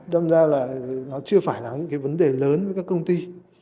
đâm ra là nó chưa phải là những cái vấn đề lớn với các công ty